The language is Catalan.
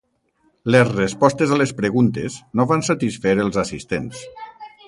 Les respostes a les preguntes no van satisfer els assistents.